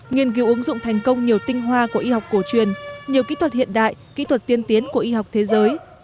nghiên cứu ứng dụng thành công nhiều tinh hoa của y học cổ truyền nhiều kỹ thuật hiện đại kỹ thuật tiên tiến của y học thế giới